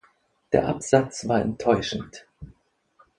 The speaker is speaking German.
Der Absatz war enttäuschend.